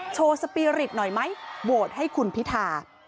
สปีริตหน่อยไหมโหวตให้คุณพิธา